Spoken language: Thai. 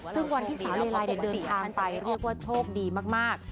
ซึ่งวันที่ศรีเลลาเดินทางไปเรียกว่าโชคดีมาก